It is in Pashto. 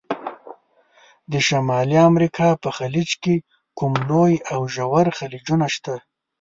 د شمالي امریکا په خلیج کې کوم لوی او ژور خلیجونه شته؟